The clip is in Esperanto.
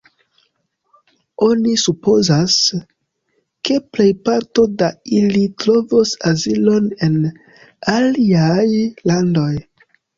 Oni supozas, ke plejparto da ili trovos azilon en aliaj landoj.